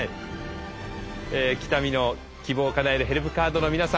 北見の「希望をかなえるヘルプカード」の皆さん